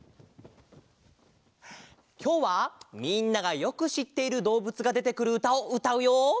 きょうはみんながよくしっているどうぶつがでてくるうたをうたうよ。